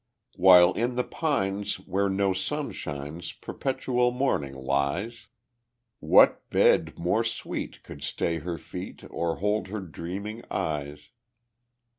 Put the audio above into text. While in the pines where no sun shines Perpetual morning lies. What bed more sweet could stay her feet, Or hold her dreaming eyes?